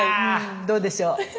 どうでしょう。